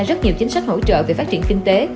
rất nhiều chính sách hỗ trợ về phát triển kinh tế